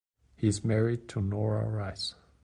He is married to Nora Rice.